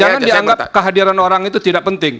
jangan dianggap kehadiran orang itu tidak penting